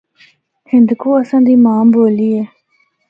ہندکو اساں دی ماں بولی اے۔